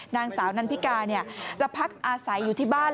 นางสาวนันพิกาจะพักอาศัยอยู่ที่บ้าน